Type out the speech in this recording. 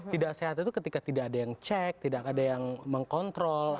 tidak sehat itu ketika tidak ada yang cek tidak ada yang mengkontrol